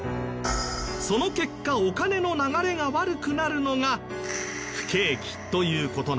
その結果お金の流れが悪くなるのが不景気という事なんです。